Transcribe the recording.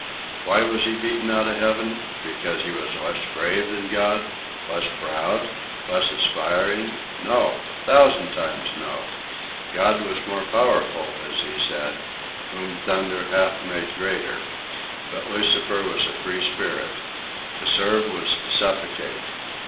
Why was he beaten out of heaven? Because he was less brave than God? less proud? less aspiring? No! A thousand times no! God was more powerful, as he said, Whom thunder hath made greater. But Lucifer was a free spirit. To serve was to suffocate.